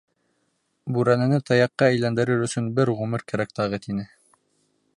Бүрәнәне таяҡҡа әйләндерер өсөн бер ғүмер кәрәк тағы, тине.